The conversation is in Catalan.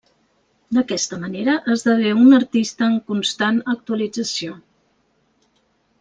D'aquesta manera, esdevé un artista en constant actualització.